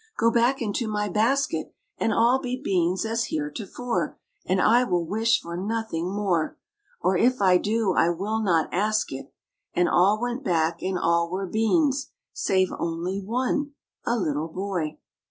Go back into my basket And all be beans as heretofore. And I will wish for nothing more ; Or if I do, I will not ask it !" And all went back, and all were beans, Save only one, a little boy.